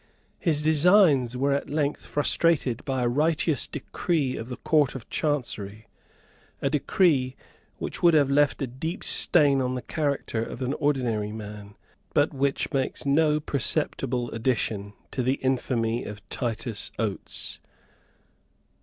His designs were at length frustrated by a righteous decree of the Court of Chancery, a decree which would have left a deep stain on the character of an ordinary man, but which makes no perceptible addition to the infamy of Titus Oates.